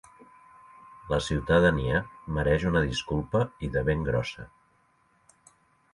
La ciutadania mereix una disculpa i de ben grossa.